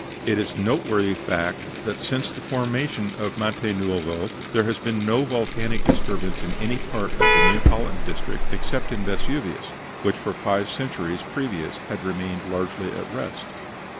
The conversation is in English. It is a noteworthy fact that since the formation of Monte Nuovo there has been no volcanic disturbance in any part of the Neapolitan district except in Vesuvius, which for five centuries previous had remained largely at rest.